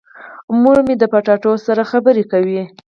مور مې د کچالو سره خبرې کوي.